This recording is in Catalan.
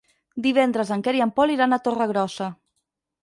Divendres en Quer i en Pol iran a Torregrossa.